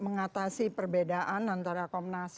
mengatasi perbedaan antara komnas